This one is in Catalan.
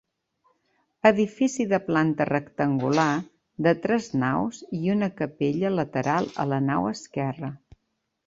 Edifici de planta rectangular, de tres naus i una capella lateral a la nau esquerra.